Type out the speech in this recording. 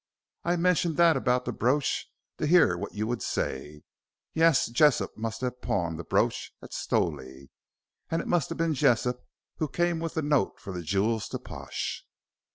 I mentioned that about the brooch to hear what you would say. Yes, Jessop must have pawned the brooch at Stowley, and it must have been Jessop who came with the note for the jewels to Pash."